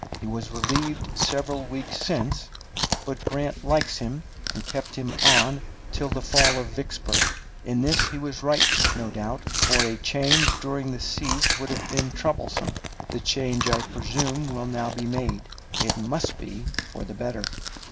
He was relieved several weeks since, but Grant likes him, and kept him on till the fall of Vicksburg. In this he was right, no doubt, for a change during the siege would have been troublesome. The change, I presume, will now be made. It must be for the better.